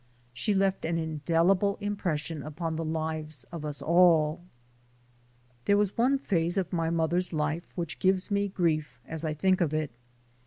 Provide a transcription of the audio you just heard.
She left an indelible impression upon the lives of us all. There was one phase of my mother's life which gives me grief as I think of it.